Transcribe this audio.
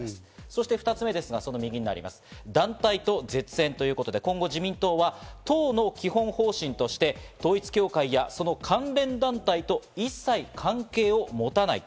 そして２つ目、団体と絶縁ということで、今後、自民党は党の基本方針として、統一教会やその関連団体と一切関係を持たない。